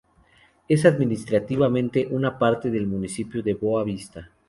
Es administrativamente una parte del municipio de Boa Vista.